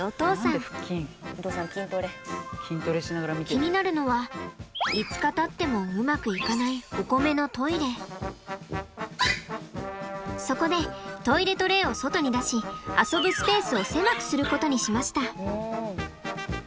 気になるのは５日たってもうまくいかないそこでトイレトレーを外に出し遊ぶスペースを狭くすることにしました。